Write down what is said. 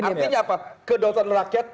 artinya apa kedotoran rakyat